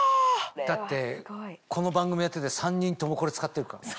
だってこの番組やってて３人ともこれ使ってるから。